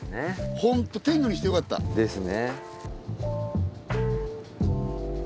ホント天狗にしてよかった。ですね。